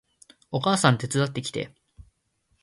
お母さん手伝ってきて